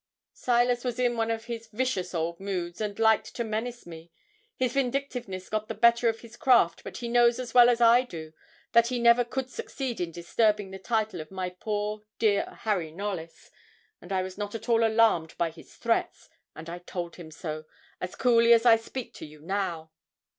'Silas was in one of his vicious old moods, and liked to menace me. His vindictiveness got the better of his craft; but he knows as well as I do that he never could succeed in disturbing the title of my poor dear Harry Knollys; and I was not at all alarmed by his threats; and I told him so, as coolly as I speak to you now.